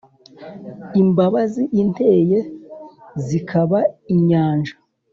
Imbabazi inteye zikaba inyanja,